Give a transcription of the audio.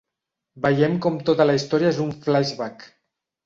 Veiem com tota la història és un flashback.